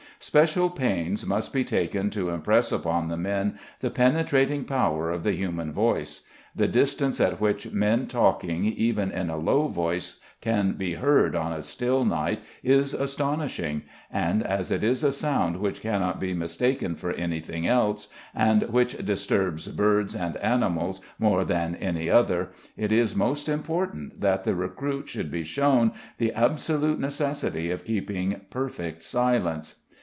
Special pains must be taken to impress upon the men the penetrating power of the human voice. The distance at which men talking, even in a low voice, can be heard on a still night is astonishing, and as it is a sound which cannot be mistaken for anything else, and which disturbs birds and animals more than any other, it is most important that the recruit should be shown the absolute necessity of keeping perfect silence.